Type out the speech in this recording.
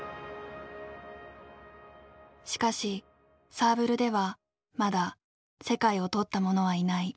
しかしサーブルではまだ世界をとった者はいない。